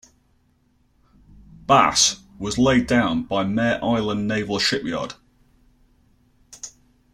"Bass" was laid down by Mare Island Naval Shipyard.